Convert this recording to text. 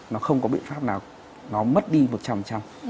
nó không có biện pháp nào nó mất đi một trăm một trăm